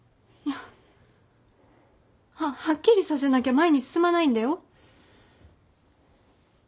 はっきりさせなきゃ前に進まないんだよ。